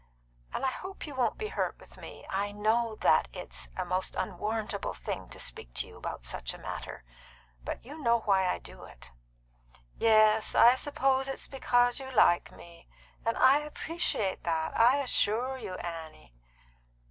"And I hope you won't be hurt with me. I know that it's a most unwarrantable thing to speak to you about such a matter; but you know why I do it." "Yes, I suppose it's because you like me; and I appreciate that, I assure you, Annie."